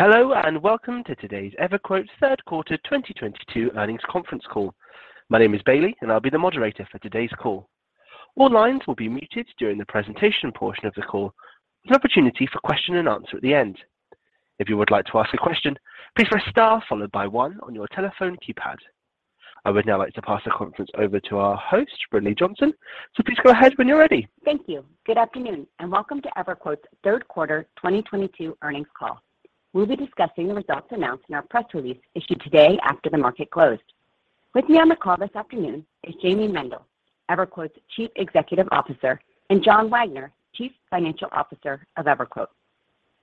Hello, and welcome to today's EverQuote Third Quarter 2022 Earnings Conference Call. My name is Bailey, and I'll be the moderator for today's call. All lines will be muted during the presentation portion of the call with an opportunity for question and answer at the end. If you would like to ask a question, please press star followed by one on your telephone keypad. I would now like to pass the conference over to our host, Brinlea Johnson. Please go ahead when you're ready. Thank you. Good afternoon, and welcome to EverQuote's third quarter 2022 earnings call. We'll be discussing the results announced in our press release issued today after the market closed. With me on the call this afternoon is Jayme Mendal, EverQuote's Chief Executive Officer, and John Wagner, Chief Financial Officer of EverQuote.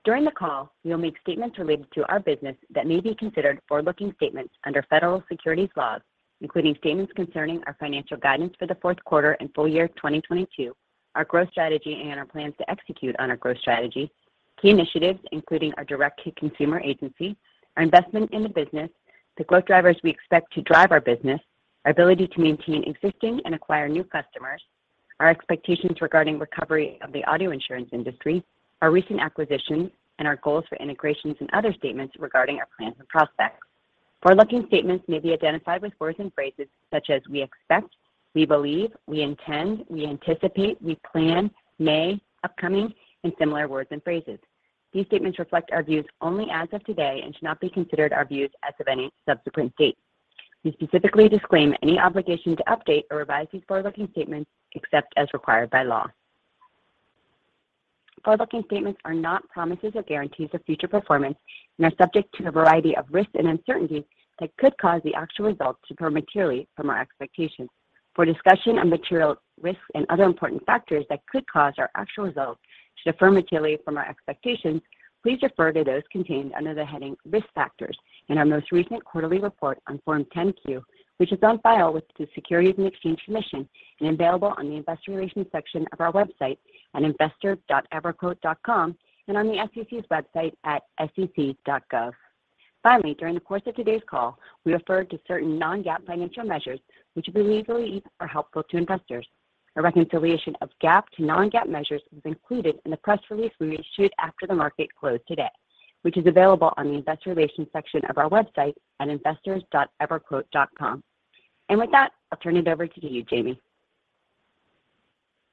During the call, we will make statements related to our business that may be considered forward-looking statements under federal securities laws, including statements concerning our financial guidance for the fourth quarter and full year 2022, our growth strategy and our plans to execute on our growth strategy, key initiatives, including our direct-to-consumer agency, our investment in the business, the growth drivers we expect to drive our business, our ability to maintain existing and acquire new customers, our expectations regarding recovery of the auto insurance industry, our recent acquisitions, and our goals for integrations and other statements regarding our plans and prospects. Forward-looking statements may be identified with words and phrases such as "we expect," "we believe," "we intend," "we anticipate," "we plan," "may," "upcoming," and similar words and phrases. These statements reflect our views only as of today and should not be considered our views as of any subsequent date. We specifically disclaim any obligation to update or revise these forward-looking statements except as required by law. Forward-looking statements are not promises or guarantees of future performance and are subject to a variety of risks and uncertainties that could cause the actual results to differ materially from our expectations. For a discussion of material risks and other important factors that could cause our actual results to differ materially from our expectations, please refer to those contained under the heading Risk Factors in our most recent quarterly report on Form 10-Q, which is on file with the Securities and Exchange Commission and available on the investor relations section of our website at investors.everquote.com and on the SEC's website at sec.gov. Finally, during the course of today's call, we refer to certain non-GAAP financial measures which we believe are helpful to investors. A reconciliation of GAAP to non-GAAP measures is included in the press release we issued after the market closed today, which is available on the investor relations section of our website at investors.everquote.com. With that, I'll turn it over to you, Jayme.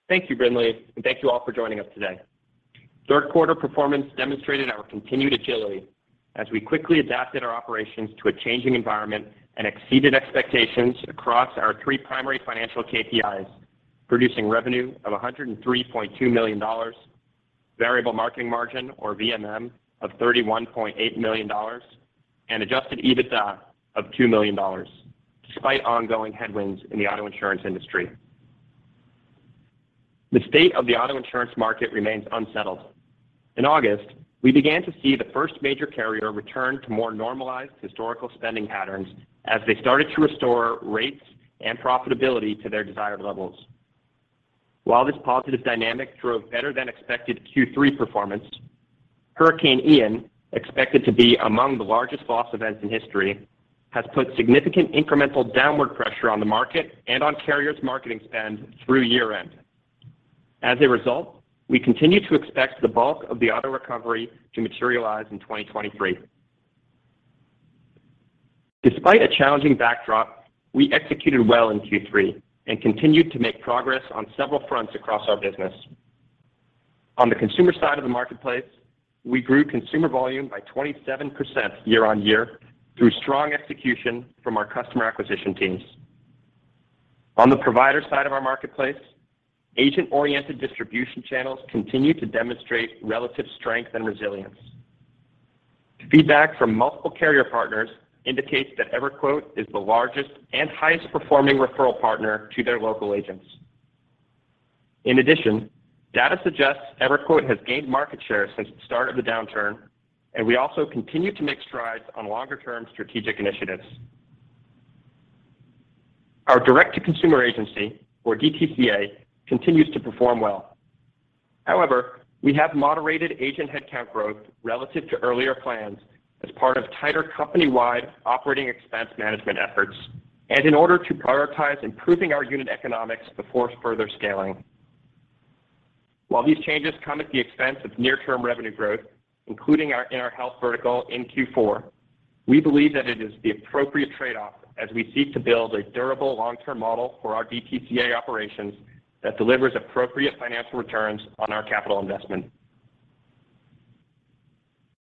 Thank you, Brinlea, and thank you all for joining us today. Third quarter performance demonstrated our continued agility as we quickly adapted our operations to a changing environment and exceeded expectations across our three primary financial KPIs, producing revenue of $103.2 million, variable marketing margin, or VMM, of $31.8 million, and adjusted EBITDA of $2 million, despite ongoing headwinds in the auto insurance industry. The state of the auto insurance market remains unsettled. In August, we began to see the first major carrier return to more normalized historical spending patterns as they started to restore rates and profitability to their desired levels. While this positive dynamic drove better than expected Q3 performance, Hurricane Ian, expected to be among the largest loss events in history, has put significant incremental downward pressure on the market and on carriers' marketing spend through year-end. As a result, we continue to expect the bulk of the auto recovery to materialize in 2023. Despite a challenging backdrop, we executed well in Q3 and continued to make progress on several fronts across our business. On the consumer side of the marketplace, we grew consumer volume by 27% year-over-year through strong execution from our customer acquisition teams. On the provider side of our marketplace, agent-oriented distribution channels continue to demonstrate relative strength and resilience. Feedback from multiple carrier partners indicates that EverQuote is the largest and highest performing referral partner to their local agents. In addition, data suggests EverQuote has gained market share since the start of the downturn, and we also continue to make strides on longer-term strategic initiatives. Our direct-to-consumer agency, or DTCA, continues to perform well. However, we have moderated agent headcount growth relative to earlier plans as part of tighter company-wide operating expense management efforts and in order to prioritize improving our unit economics before further scaling. While these changes come at the expense of near-term revenue growth, including our in-house vertical in Q4, we believe that it is the appropriate trade-off as we seek to build a durable long-term model for our DTCA operations that delivers appropriate financial returns on our capital investment.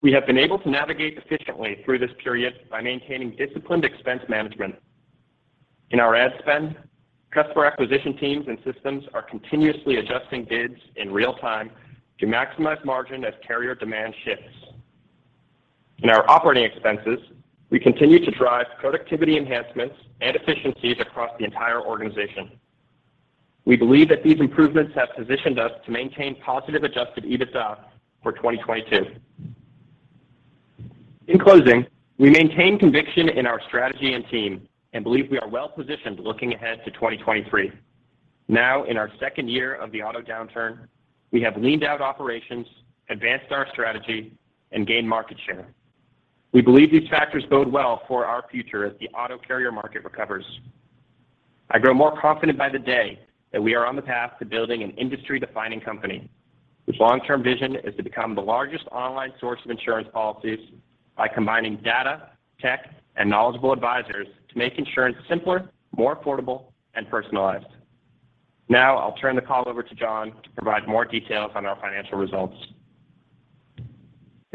We have been able to navigate efficiently through this period by maintaining disciplined expense management. In our ad spend, customer acquisition teams and systems are continuously adjusting bids in real time to maximize margin as carrier demand shifts. In our operating expenses, we continue to drive productivity enhancements and efficiencies across the entire organization. We believe that these improvements have positioned us to maintain positive adjusted EBITDA for 2022. In closing, we maintain conviction in our strategy and team and believe we are well-positioned looking ahead to 2023. Now in our second year of the auto downturn, we have leaned out operations, advanced our strategy, and gained market share. We believe these factors bode well for our future as the auto carrier market recovers. I grow more confident by the day that we are on the path to building an industry-defining company, whose long-term vision is to become the largest online source of insurance policies by combining data, tech, and knowledgeable advisors to make insurance simpler, more affordable and personalized. Now, I'll turn the call over to John to provide more details on our financial results.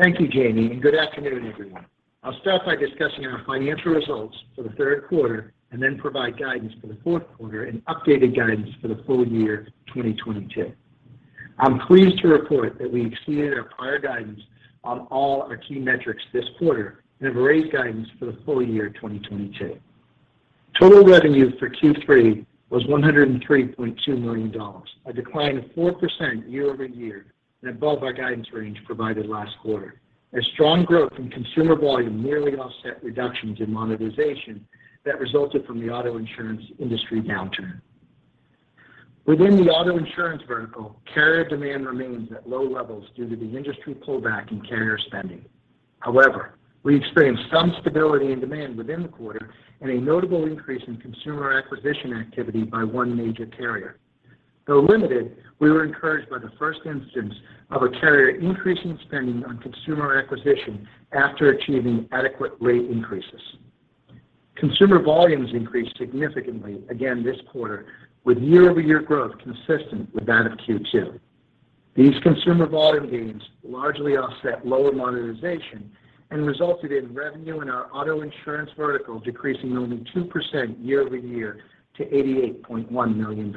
Thank you, Jayme, and good afternoon, everyone. I'll start by discussing our financial results for the third quarter and then provide guidance for the fourth quarter and updated guidance for the full year 2022. I'm pleased to report that we exceeded our prior guidance on all our key metrics this quarter and have raised guidance for the full year 2022. Total revenue for Q3 was $103.2 million, a decline of 4% year-over-year and above our guidance range provided last quarter. A strong growth in consumer volume nearly offset reductions in monetization that resulted from the auto insurance industry downturn. Within the auto insurance vertical, carrier demand remains at low levels due to the industry pullback in carrier spending. However, we experienced some stability in demand within the quarter and a notable increase in consumer acquisition activity by one major carrier. Though limited, we were encouraged by the first instance of a carrier increasing spending on consumer acquisition after achieving adequate rate increases. Consumer volumes increased significantly again this quarter with year-over-year growth consistent with that of Q2. These consumer volume gains largely offset lower monetization and resulted in revenue in our auto insurance vertical decreasing only 2% year-over-year to $88.1 million.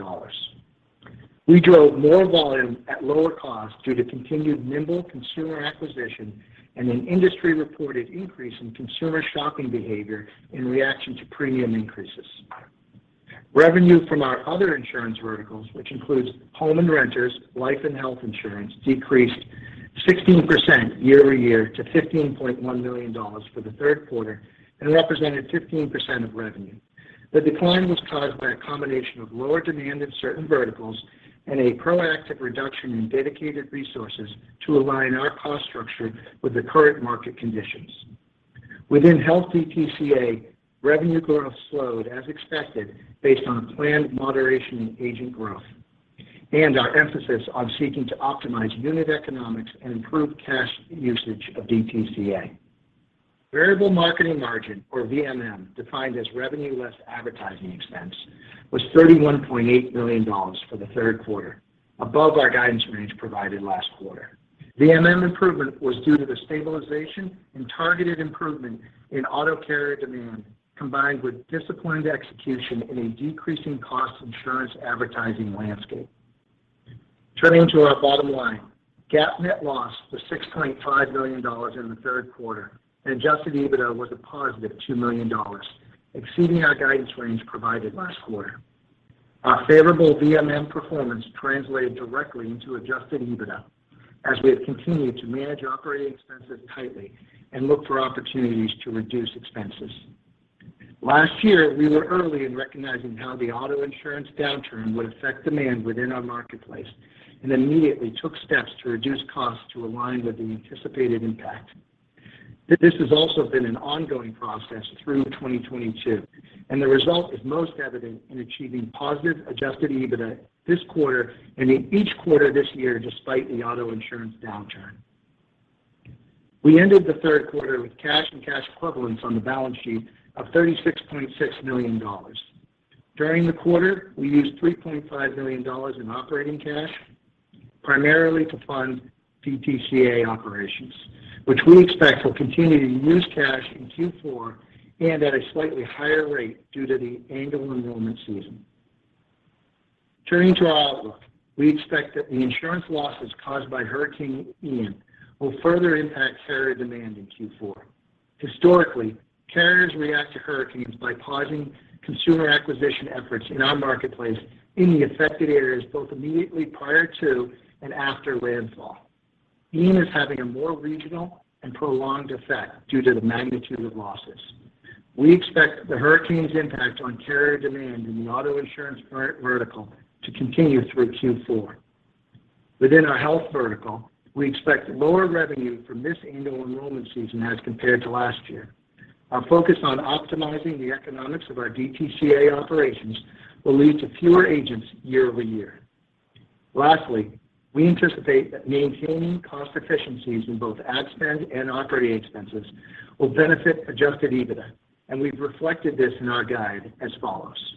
We drove more volume at lower cost due to continued nimble consumer acquisition and an industry-reported increase in consumer shopping behavior in reaction to premium increases. Revenue from our other insurance verticals, which includes home and renters, life and health insurance, decreased 16% year-over-year to $15.1 million for the third quarter and represented 15% of revenue. The decline was caused by a combination of lower demand in certain verticals and a proactive reduction in dedicated resources to align our cost structure with the current market conditions. Within health DTCA, revenue growth slowed as expected based on planned moderation in agent growth and our emphasis on seeking to optimize unit economics and improve cash usage of DTCA. Variable marketing margin, or VMM, defined as revenue less advertising expense, was $31.8 million for the third quarter, above our guidance range provided last quarter. VMM improvement was due to the stabilization and targeted improvement in auto carrier demand, combined with disciplined execution in a decreasing cost insurance advertising landscape. Turning to our bottom line, GAAP net loss was $6.5 million in the third quarter, and adjusted EBITDA was a positive $2 million, exceeding our guidance range provided last quarter. Our favorable VMM performance translated directly into adjusted EBITDA as we have continued to manage operating expenses tightly and look for opportunities to reduce expenses. Last year, we were early in recognizing how the auto insurance downturn would affect demand within our marketplace and immediately took steps to reduce costs to align with the anticipated impact. This has also been an ongoing process through 2022, and the result is most evident in achieving positive adjusted EBITDA this quarter and in each quarter this year, despite the auto insurance downturn. We ended the third quarter with cash and cash equivalents on the balance sheet of $36.6 million. During the quarter, we used $3.5 million in operating cash, primarily to fund DTCA operations, which we expect will continue to use cash in Q4 and at a slightly higher rate due to the annual enrollment season. Turning to our outlook, we expect that the insurance losses caused by Hurricane Ian will further impact carrier demand in Q4. Historically, carriers react to hurricanes by pausing consumer acquisition efforts in our marketplace in the affected areas both immediately prior to and after landfall. Ian is having a more regional and prolonged effect due to the magnitude of losses. We expect the hurricane's impact on carrier demand in the auto insurance vertical to continue through Q4. Within our health vertical, we expect lower revenue for this annual enrollment season as compared to last year. Our focus on optimizing the economics of our DTCA operations will lead to fewer agents year over year. Lastly, we anticipate that maintaining cost efficiencies in both ad spend and operating expenses will benefit adjusted EBITDA, and we've reflected this in our guide as follows.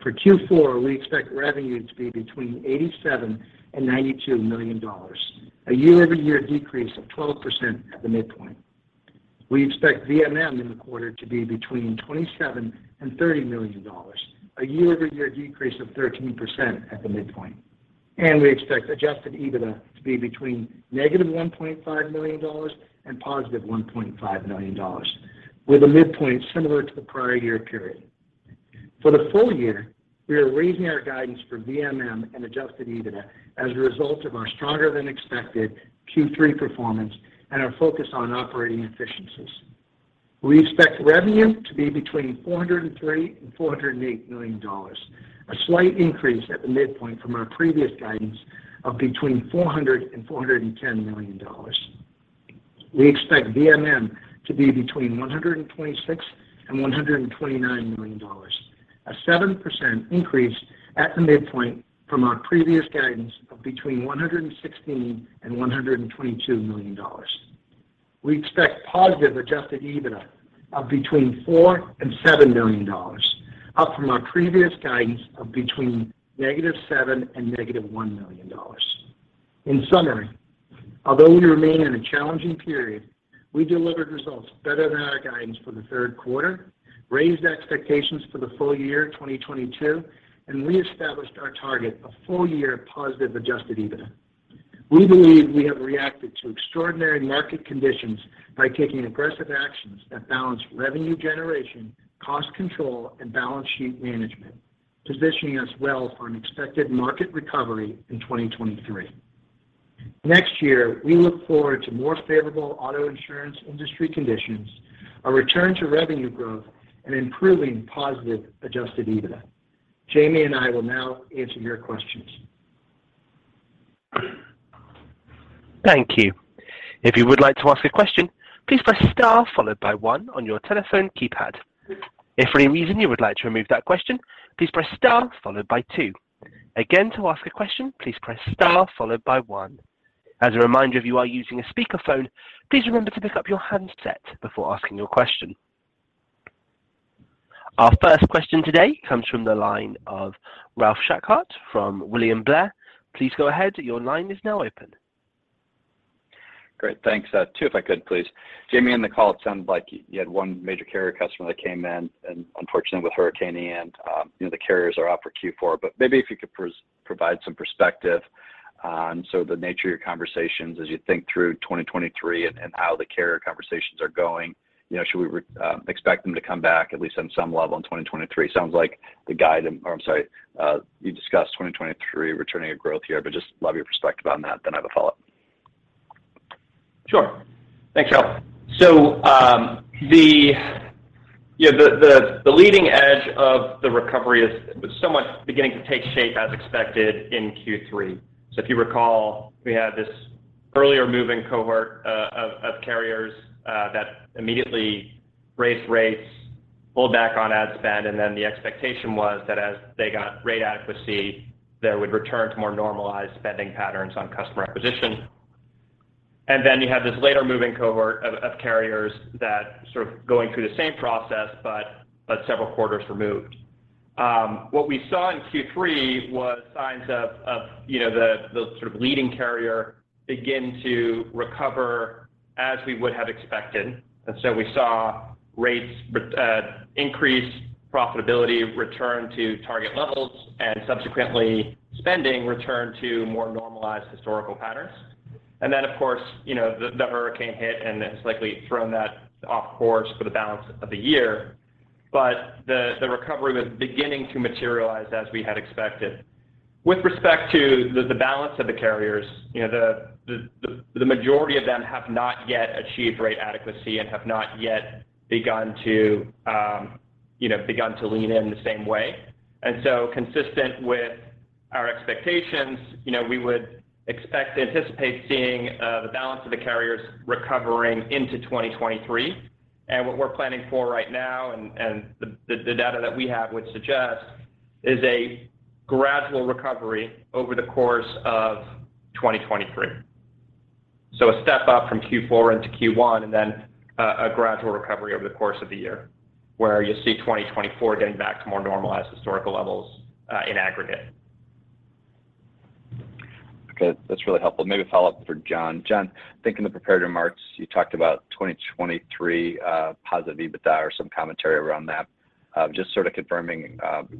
For Q4, we expect revenue to be between $87 million and $92 million, a year-over-year decrease of 12% at the midpoint. We expect VMM in the quarter to be between $27 million and $30 million, a year-over-year decrease of 13% at the midpoint. We expect adjusted EBITDA to be between -$1.5 million and +$1.5 million, with a midpoint similar to the prior year period. For the full year, we are raising our guidance for VMM and adjusted EBITDA as a result of our stronger-than-expected Q3 performance and our focus on operating efficiencies. We expect revenue to be between $403 million and $408 million, a slight increase at the midpoint from our previous guidance of between $400 million and $410 million. We expect VMM to be between $126 million and $129 million, a 7% increase at the midpoint from our previous guidance of between $116 million and $122 million. We expect positive adjusted EBITDA of between $4 million and $7 million, up from our previous guidance of between -$7 million and -$1 million. In summary, although we remain in a challenging period, we delivered results better than our guidance for the third quarter, raised expectations for the full year 2022, and reestablished our target of full year positive adjusted EBITDA. We believe we have reacted to extraordinary market conditions by taking aggressive actions that balance revenue generation, cost control, and balance sheet management, positioning us well for an expected market recovery in 2023. Next year, we look forward to more favorable auto insurance industry conditions, a return to revenue growth, and improving positive adjusted EBITDA. Jayme and I will now answer your questions. Thank you. If you would like to ask a question, please press star followed by one on your telephone keypad. If for any reason you would like to remove that question, please press star followed by two. Again, to ask a question, please press star followed by one. As a reminder, if you are using a speakerphone, please remember to pick up your handset before asking your question. Our first question today comes from the line of Ralph Schackart from William Blair. Please go ahead. Your line is now open. Great. Thanks. Two if I could, please. Jayme, on the call, it sounded like you had one major carrier customer that came in, and unfortunately with Hurricane Ian, you know, the carriers are off for Q4. Maybe if you could provide some perspective on, so the nature of your conversations as you think through 2023 and how the carrier conversations are going. You know, should we expect them to come back at least on some level in 2023? It sounds like the guidance or I'm sorry, you discussed 2023 returning to growth year, but just love your perspective on that, then I have a follow-up. Sure. Thanks, Ralph. The leading edge of the recovery is somewhat beginning to take shape as expected in Q3. If you recall, we had this earlier moving cohort of carriers that immediately raised rates, pulled back on ad spend, and then the expectation was that as they got rate adequacy, they would return to more normalized spending patterns on customer acquisition. Then you had this later moving cohort of carriers that sort of going through the same process, but several quarters removed. What we saw in Q3 was signs of you know, the sort of leading carrier begin to recover as we would have expected. We saw rates increase, profitability return to target levels, and subsequently spending return to more normalized historical patterns. Of course, you know, the hurricane hit and has likely thrown that off course for the balance of the year. The recovery was beginning to materialize as we had expected. With respect to the balance of the carriers, you know, the majority of them have not yet achieved rate adequacy and have not yet begun to lean in the same way. Consistent with our expectations, you know, we would expect to anticipate seeing the balance of the carriers recovering into 2023. What we're planning for right now and the data that we have would suggest is a gradual recovery over the course of 2023. A step up from Q4 into Q1, and then a gradual recovery over the course of the year, where you'll see 2024 getting back to more normalized historical levels, in aggregate. Okay. That's really helpful. Maybe a follow-up for John. John, I think in the prepared remarks, you talked about 2023 positive EBITDA or some commentary around that. Just sort of confirming,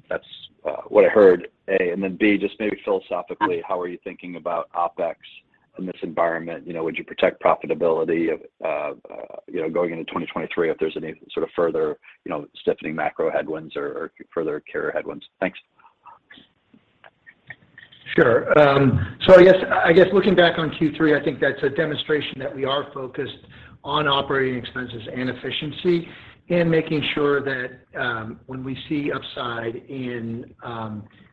that's what I heard, A. B, just maybe philosophically, how are you thinking about OpEx in this environment? You know, would you protect profitability of, you know, going into 2023 if there's any sort of further, you know, stiffening macro headwinds or further carrier headwinds? Thanks. Sure. I guess looking back on Q3, I think that's a demonstration that we are focused on operating expenses and efficiency and making sure that, when we see upside in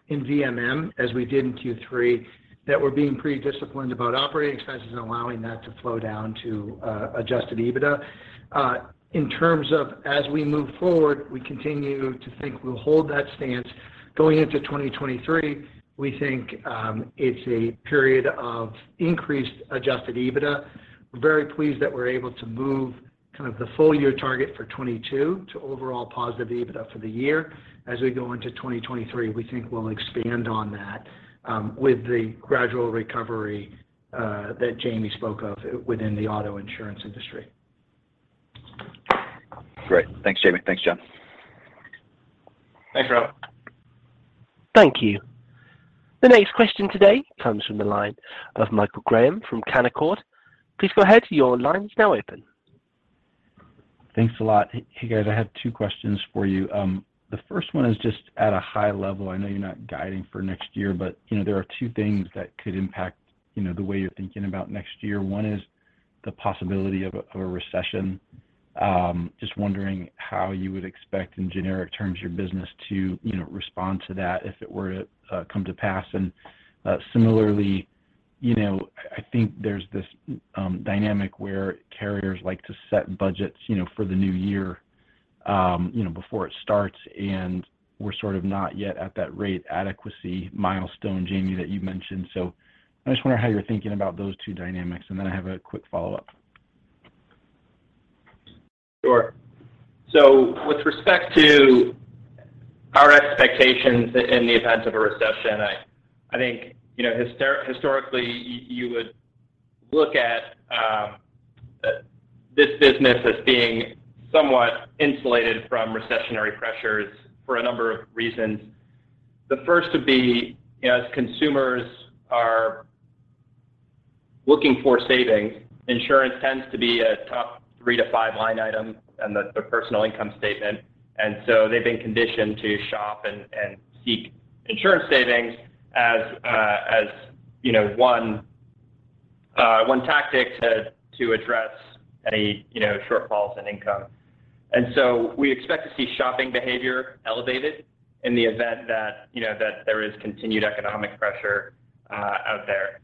VMM, as we did in Q3, that we're being pretty disciplined about operating expenses and allowing that to flow down to adjusted EBITDA. In terms of as we move forward, we continue to think we'll hold that stance. Going into 2023, we think it's a period of increased adjusted EBITDA. We're very pleased that we're able to move kind of the full year target for 2022 to overall positive EBITDA for the year. As we go into 2023, we think we'll expand on that, with the gradual recovery that Jayme spoke of within the auto insurance industry. Great. Thanks, Jayme. Thanks, John. Thanks, Ralph. Thank you. The next question today comes from the line of Michael Graham from Canaccord Genuity. Please go ahead. Your line is now open. Thanks a lot. Hey, guys, I have two questions for you. The first one is just at a high level. I know you're not guiding for next year, but, you know, there are two things that could impact, you know, the way you're thinking about next year. One is the possibility of a recession, just wondering how you would expect in generic terms your business to, you know, respond to that if it were to come to pass. Similarly, you know, I think there's this dynamic where carriers like to set budgets, you know, for the new year, you know, before it starts, and we're sort of not yet at that rate adequacy milestone, Jayme, that you've mentioned. I just wonder how you're thinking about those two dynamics, and then I have a quick follow-up. Sure. With respect to our expectations in the event of a recession, I think, you know, historically you would look at this business as being somewhat insulated from recessionary pressures for a number of reasons. The first to be, as consumers are looking for savings, insurance tends to be a top three to five line item in the personal income statement. They've been conditioned to shop and seek insurance savings as, you know, one tactic to address any, you know, shortfalls in income. We expect to see shopping behavior elevated in the event that, you know, that there is continued economic pressure out there.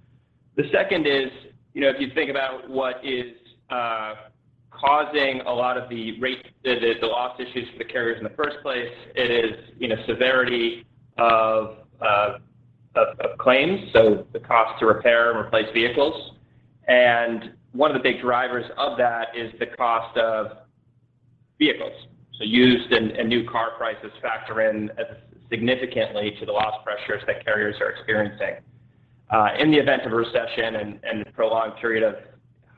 The second is, you know, if you think about what is causing a lot of the rate, the loss issues for the carriers in the first place, it is, you know, severity of claims, so the cost to repair and replace vehicles. One of the big drivers of that is the cost of vehicles. Used and new car prices factor in significantly to the loss pressures that carriers are experiencing. In the event of a recession and a prolonged period of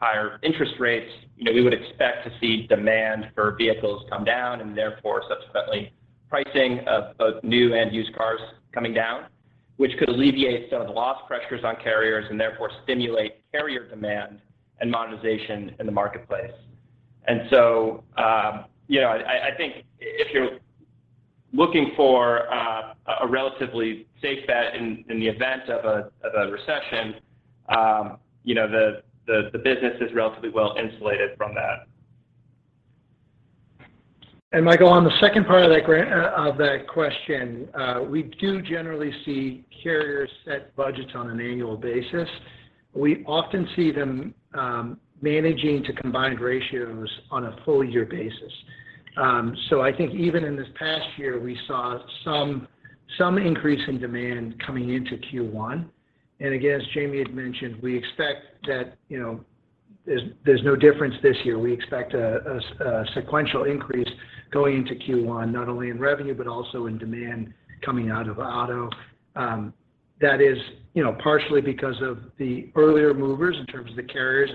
higher interest rates, you know, we would expect to see demand for vehicles come down and therefore subsequently pricing of both new and used cars coming down, which could alleviate some of the loss pressures on carriers and therefore stimulate carrier demand and monetization in the marketplace. You know, I think if you're looking for a relatively safe bet in the event of a recession, you know, the business is relatively well insulated from that. Michael, on the second part of that of that question, we do generally see carriers set budgets on an annual basis. We often see them, managing to combined ratios on a full year basis. So I think even in this past year, we saw some increase in demand coming into Q1. Again, as Jayme had mentioned, we expect that, you know, there's no difference this year. We expect a sequential increase going into Q1, not only in revenue, but also in demand coming out of auto. That is, you know, partially because of the earlier movers in terms of the carriers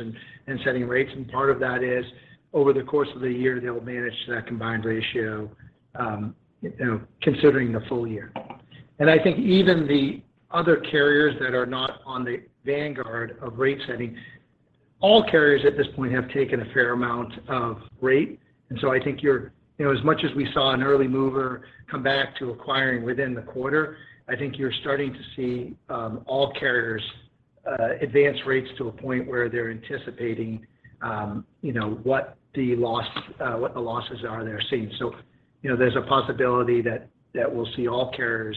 and setting rates. Part of that is over the course of the year, they'll manage that combined ratio, you know, considering the full year. I think even the other carriers that are not on the vanguard of rate setting, all carriers at this point have taken a fair amount of rate. I think you're, you know, as much as we saw an early mover come back to acquiring within the quarter, I think you're starting to see all carriers advance rates to a point where they're anticipating, you know, what the losses are they're seeing. I think you know, there's a possibility that we'll see all carriers,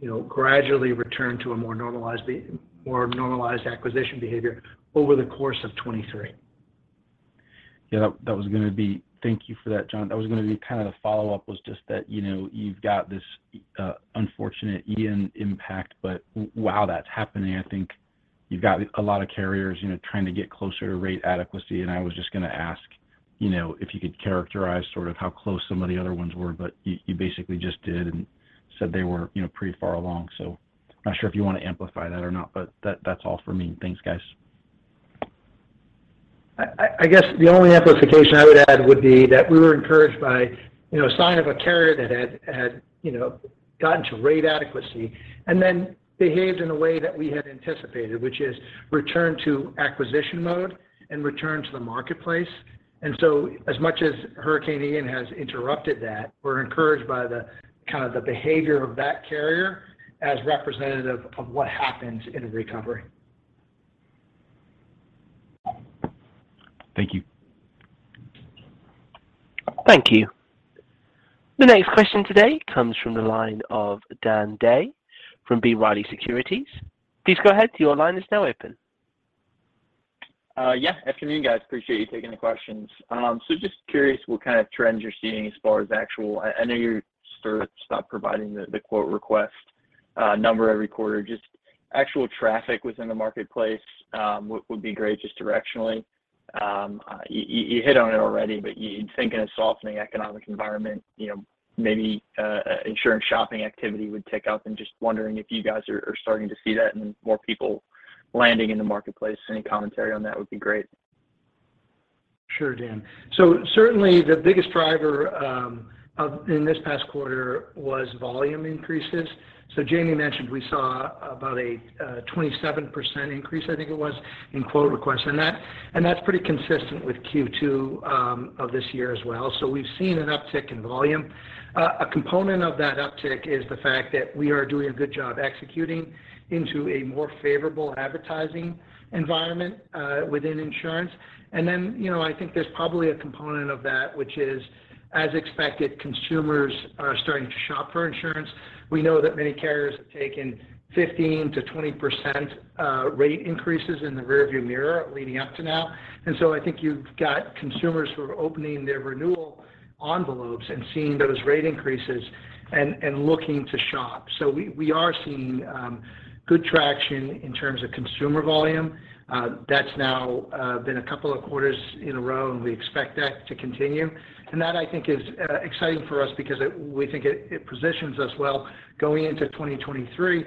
you know, gradually return to a more normalized acquisition behavior over the course of 2023. Yeah, that was going to be, thank you for that, John. That was going to be kind of the follow-up was just that, you know, you've got this unfortunate Ian impact, but while that's happening, I think you've got a lot of carriers, you know, trying to get closer to rate adequacy. I was just going to ask, you know, if you could characterize sort of how close some of the other ones were, but you basically just did and said they were, you know, pretty far along. Not sure if you want to amplify that or not, but that's all for me. Thanks, guys. I guess the only amplification I would add would be that we were encouraged by, you know, sign of a carrier that had, you know, gotten to rate adequacy and then behaved in a way that we had anticipated, which is return to acquisition mode and return to the marketplace. As much as Hurricane Ian has interrupted that, we're encouraged by the kind of behavior of that carrier as representative of what happens in a recovery. Thank you. Thank you. The next question today comes from the line of Daniel Day from B. Riley Securities. Please go ahead. Your line is now open. Yeah, afternoon, guys. Appreciate you taking the questions. So just curious what kind of trends you're seeing as far as actual traffic within the marketplace. I know you sort of stopped providing the quote request number every quarter. Just actual traffic within the marketplace would be great just directionally. You hit on it already, but you'd think in a softening economic environment, you know, maybe insurance shopping activity would tick up. Just wondering if you guys are starting to see that and more people landing in the marketplace. Any commentary on that would be great. Sure, Dan. Certainly the biggest driver in this past quarter was volume increases. Jayme mentioned we saw about a 27% increase, I think it was, in quote requests. And that's pretty consistent with Q2 of this year as well. We've seen an uptick in volume. A component of that uptick is the fact that we are doing a good job executing into a more favorable advertising environment within insurance. And then, you know, I think there's probably a component of that which is, as expected, consumers are starting to shop for insurance. We know that many carriers have taken 15%-20% rate increases in the rear view mirror leading up to now. I think you've got consumers who are opening their renewal envelopes and seeing those rate increases and looking to shop. We are seeing good traction in terms of consumer volume. That's now been a couple of quarters in a row, and we expect that to continue. That, I think, is exciting for us because it positions us well going into 2023.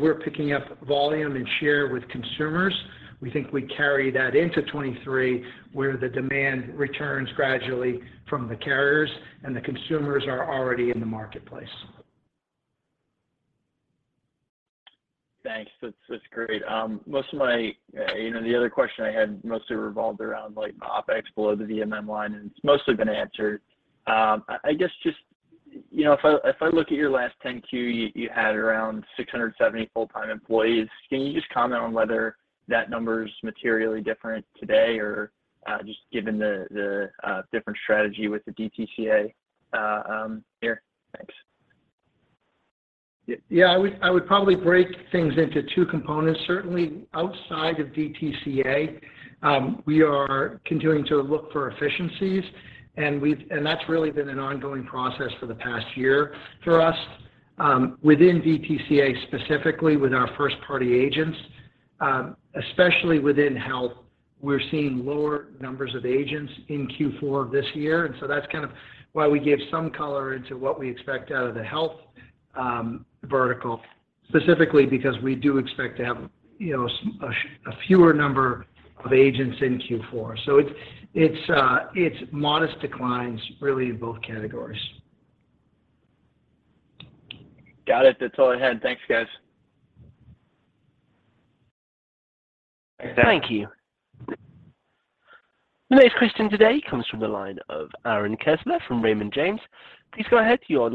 We're picking up volume and share with consumers, we think we carry that into 2023, where the demand returns gradually from the carriers and the consumers are already in the marketplace. Thanks. That's great. Most of my, you know, the other question I had mostly revolved around like OpEx below the VMM line, and it's mostly been answered. I guess just, you know, if I look at your last 10-Q, you had around 670 full-time employees. Can you just comment on whether that number is materially different today or just given the different strategy with the DTCA here? Thanks. Yeah. I would probably break things into two components. Certainly outside of DTCA, we are continuing to look for efficiencies, and that's really been an ongoing process for the past year for us. Within DTCA, specifically with our first party agents, especially within health, we're seeing lower numbers of agents in Q4 of this year. That's kind of why we give some color into what we expect out of the health vertical, specifically because we do expect to have, you know, a fewer number of agents in Q4. It's modest declines really in both categories. Got it. That's all I had. Thanks, guys. Thank you. The next question today comes from the line of Aaron Kessler from Raymond James. Please go ahead. Your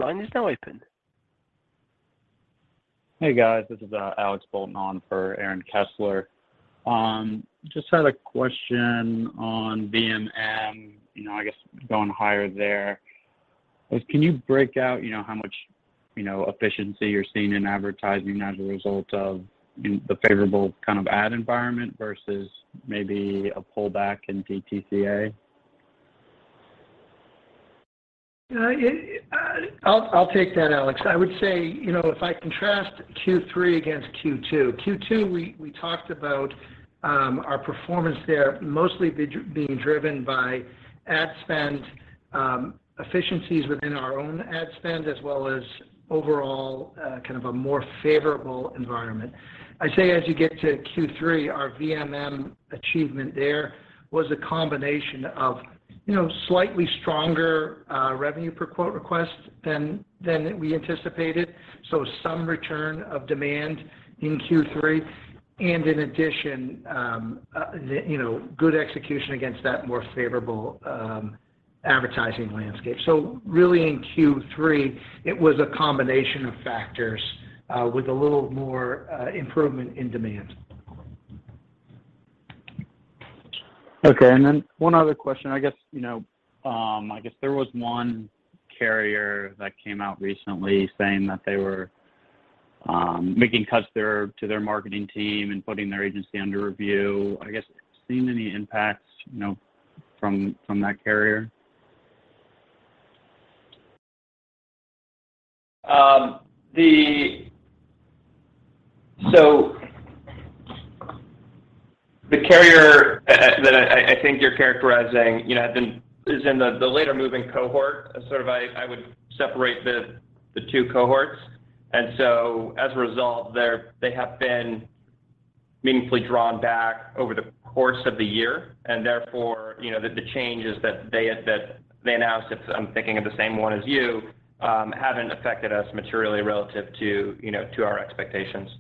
line is now open. Hey, guys. This is Alex Bolton on for Aaron Kessler. Just had a question on VMM, you know, I guess going higher there. Can you break out, you know, how much, you know, efficiency you're seeing in advertising as a result of the favorable kind of ad environment versus maybe a pullback in DTCA? I'll take that, Alex. I would say, you know, if I contrast Q3 against Q2. Q2, we talked about our performance there mostly being driven by ad spend efficiencies within our own ad spend, as well as overall kind of a more favorable environment. I'd say as you get to Q3, our VMM achievement there was a combination of, you know, slightly stronger revenue per quote request than we anticipated, so some return of demand in Q3. In addition, you know, good execution against that more favorable advertising landscape. Really in Q3, it was a combination of factors with a little more improvement in demand. Okay. One other question. I guess, you know, I guess there was one carrier that came out recently saying that they were making cuts to their marketing team and putting their agency under review. I guess, have you seen any impacts, you know, from that carrier? The carrier that I think you're characterizing, you know, is in the later moving cohort. Sort of I would separate the two cohorts. As a result, they have been meaningfully drawn back over the course of the year. You know, the changes that they announced, if I'm thinking of the same one as you, haven't affected us materially relative to, you know, to our expectations.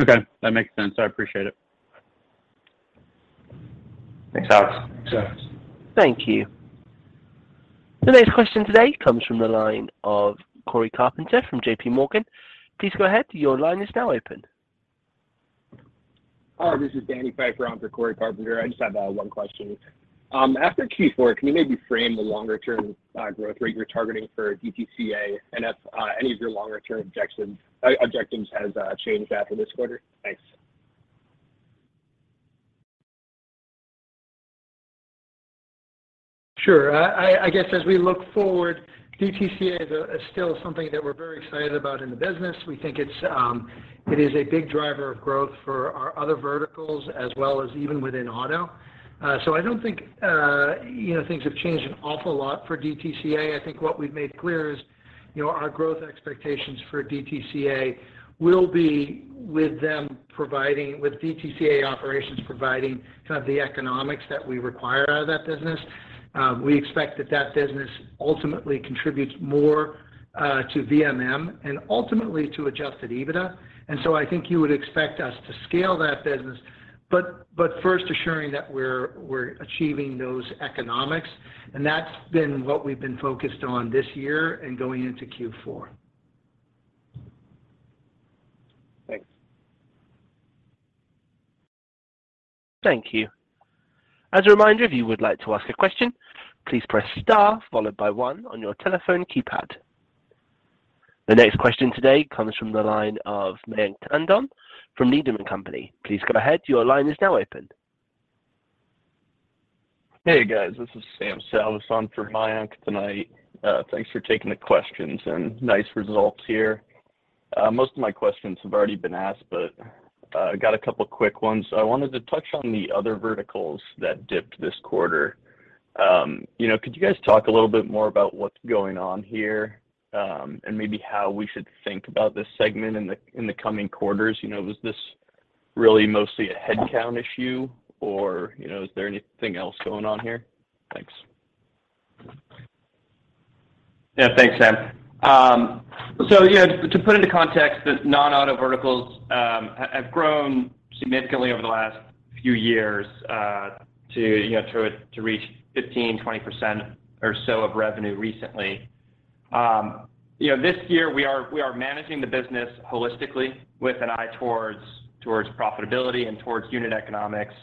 Okay. That makes sense. I appreciate it. Thanks, Alex. Thanks, Alex. Thank you. The next question today comes from the line of Cory Carpenter from J.P. Morgan. Please go ahead. Your line is now open. Hi, this is Danny Pfeiffer on for Cory Carpenter. I just have one question. After Q4, can you maybe frame the longer term growth rate you're targeting for DTCA, and if any of your longer term objectives has changed after this quarter? Thanks. Sure. I guess as we look forward, DTCA is still something that we're very excited about in the business. We think it is a big driver of growth for our other verticals as well as even within auto. I don't think you know, things have changed an awful lot for DTCA. I think what we've made clear is you know, our growth expectations for DTCA will be with DTCA operations providing kind of the economics that we require out of that business. We expect that business ultimately contributes more to VMM and ultimately to adjusted EBITDA. I think you would expect us to scale that business, but first assuring that we're achieving those economics, and that's been what we've been focused on this year and going into Q4. Thanks. Thank you. As a reminder, if you would like to ask a question, please press star followed by one on your telephone keypad. The next question today comes from the line of Mayank Tandon from Needham & Company. Please go ahead. Your line is now open. Hey, guys. This is Sam Salvas for Mayank Tandon tonight. Thanks for taking the questions and nice results here. Most of my questions have already been asked, but I got a couple quick ones. I wanted to touch on the other verticals that dipped this quarter. You know, could you guys talk a little bit more about what's going on here, and maybe how we should think about this segment in the coming quarters. You know, was this really mostly a headcount issue or, you know, is there anything else going on here? Thanks. Yeah. Thanks, Sam Salvas. So to put into context, the non-auto verticals have grown significantly over the last few years to reach 15%-20% or so of revenue recently. You know, this year we are managing the business holistically with an eye towards profitability and towards unit economics.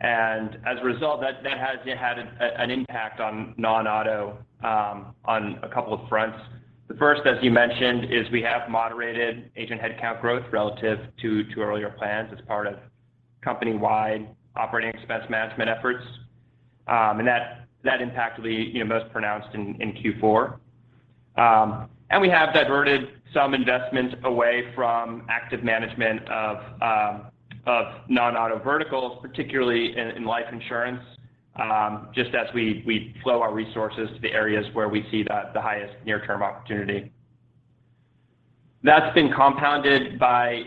As a result, that has had an impact on non-auto on a couple of fronts. The first, as you mentioned, is we have moderated agent headcount growth relative to earlier plans as part of company-wide operating expense management efforts. That impact will be most pronounced in Q4. We have diverted some investments away from active management of non-auto verticals, particularly in life insurance, just as we flow our resources to the areas where we see the highest near-term opportunity. That's been compounded by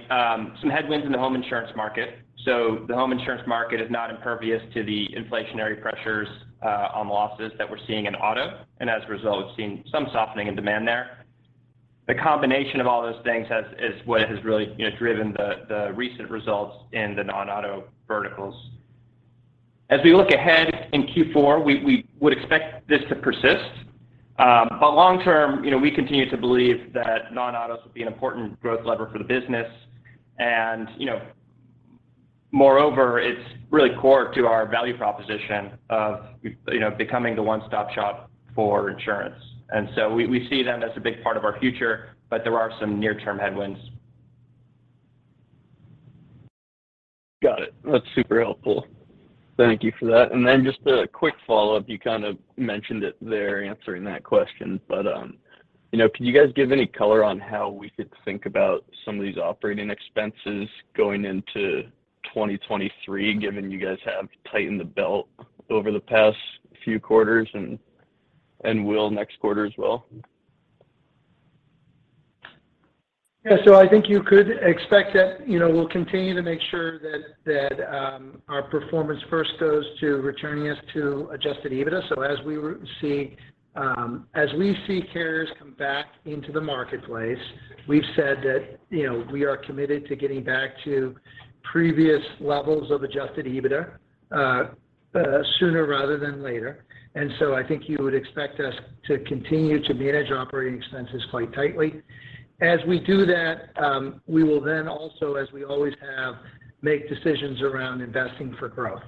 some headwinds in the home insurance market. The home insurance market is not impervious to the inflationary pressures on losses that we're seeing in auto and as a result, we've seen some softening in demand there. The combination of all those things is what has really, you know, driven the recent results in the non-auto verticals. As we look ahead in Q4, we would expect this to persist. But long term, you know, we continue to believe that non-autos will be an important growth lever for the business. You know, moreover, it's really core to our value proposition of you know, becoming the one-stop shop for insurance. We see them as a big part of our future, but there are some near-term headwinds. Got it. That's super helpful. Thank you for that. Just a quick follow-up. You kind of mentioned it there answering that question, but, you know, could you guys give any color on how we could think about some of these operating expenses going into 2023, given you guys have tightened the belt over the past few quarters and will next quarter as well? Yeah. I think you could expect that, you know, we'll continue to make sure that our performance first goes to returning us to adjusted EBITDA. As we see carriers come back into the marketplace, we've said that, you know, we are committed to getting back to previous levels of adjusted EBITDA sooner rather than later. I think you would expect us to continue to manage operating expenses quite tightly. As we do that, we will then also, as we always have, make decisions around investing for growth.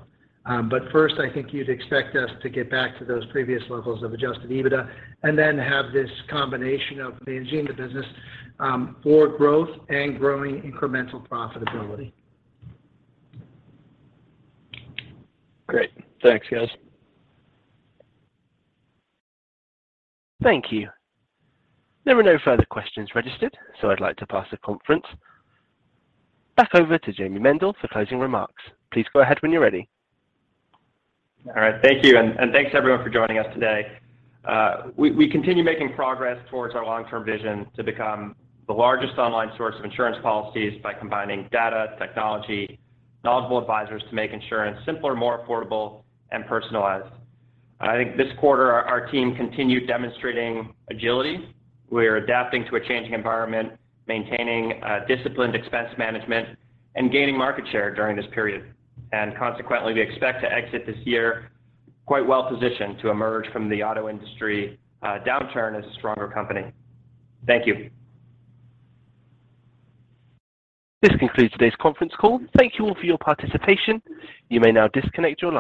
First, I think you'd expect us to get back to those previous levels of adjusted EBITDA and then have this combination of managing the business for growth and growing incremental profitability. Great. Thanks, guys. Thank you. There are no further questions registered, so I'd like to pass the conference back over to Jayme Mendal for closing remarks. Please go ahead when you're ready. All right. Thank you, and thanks, everyone, for joining us today. We continue making progress towards our long-term vision to become the largest online source of insurance policies by combining data, technology, knowledgeable advisors to make insurance simpler, more affordable, and personalized. I think this quarter our team continued demonstrating agility. We're adapting to a changing environment, maintaining disciplined expense management, and gaining market share during this period. Consequently, we expect to exit this year quite well-positioned to emerge from the auto industry downturn as a stronger company. Thank you. This concludes today's conference call. Thank you all for your participation. You may now disconnect your lines.